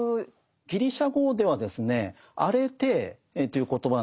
ギリシャ語ではですね「アレテー」という言葉なんです。